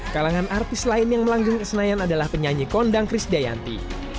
kalangan artis lain yang melanggang kesenayan adalah penyanyi kondang kris dayanti